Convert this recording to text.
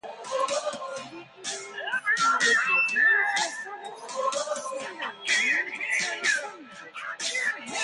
The Indian School of Business has a Thomas Schmidheiny chair of family business.